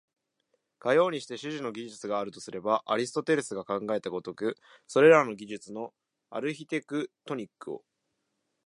かようにして種々の技術があるとすれば、アリストテレスが考えた如く、それらの技術のアルヒテクトニックを、